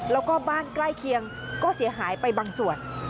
แล้วก็บ้านใกล้เคียงก็เสียหายไปบางส่วน